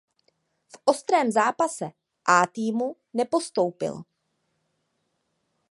V ostrém zápase A–týmu nenastoupil.